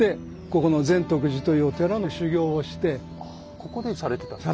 ここでされてたんですね。